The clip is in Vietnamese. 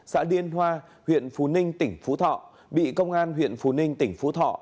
xã điên hoa huyện phú ninh tỉnh phú thọ bị công an huyện phú ninh tỉnh phú thọ